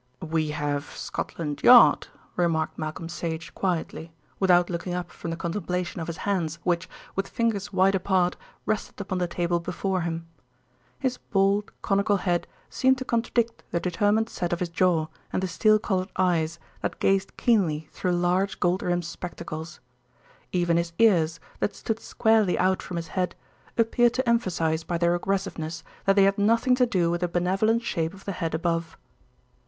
"We have Scotland Yard," remarked Malcolm Sage quietly, without looking up from the contemplation of his hands, which, with fingers wide apart, rested upon the table before him. His bald, conical head seemed to contradict the determined set of his jaw and the steel coloured eyes that gazed keenly through large gold rimmed spectacles. Even his ears, that stood squarely out from his head, appeared to emphasise by their aggressiveness that they had nothing to do with the benevolent shape of the head above.